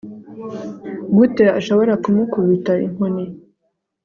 gute ashobora kumukubita inkoni